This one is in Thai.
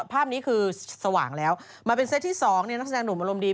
ภาพนี้คือสว่างแล้วมาเป็นเซตที่๒นักแสดงหนุ่มอารมณ์ดี